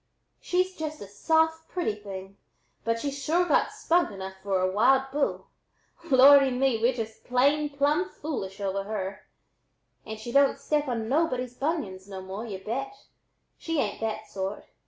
She's just a soft pretty thing, but she's sure got spunk enough for a wild bull. Lordy me! we're just plumb foolish over her, and she don't step on nobody's bunions no more, y'u bet! She ain't that sort.